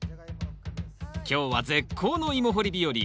今日は絶好のイモ掘り日和。